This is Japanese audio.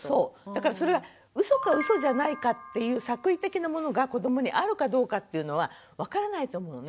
だからそれはうそかうそじゃないかっていう作為的なものが子どもにあるかどうかっていうのは分からないと思うのね。